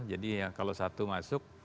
jadi kalau satu masuk